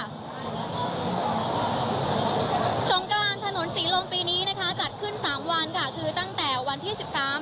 ก็สงครานถนนศรีลมปีนี้นะคะเบาะกะขึ้นสามวันค่ะคือตั้งแต่วันที่๑๓๑๕